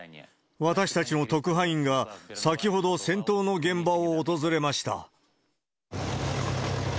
私たちの特派員が、先ほど戦闘の現場を訪れました。